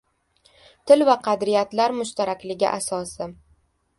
Til va qadriyatlar mushtarakligi asosi